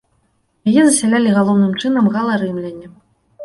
Яе засялялі галоўным чынам гала-рымляне.